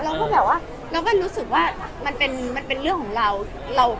เราก็แบบว่าเราก็รู้สึกว่ามันเป็นเรื่องของเรา